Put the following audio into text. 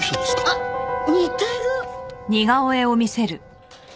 あっ似てる！